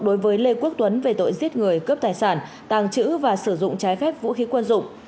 đối với lê quốc tuấn về tội giết người cướp tài sản tàng trữ và sử dụng trái phép vũ khí quân dụng